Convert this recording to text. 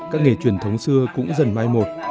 các nghề truyền thống xưa cũng dần mai một